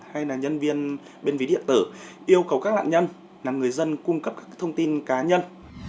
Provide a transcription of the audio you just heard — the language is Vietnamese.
hay là nhân viên bên ví điện tử yêu cầu các nạn nhân là người dân cung cấp các thông tin cá nhân